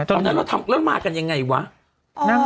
ตอนนี้และเรามากันยังไงวะ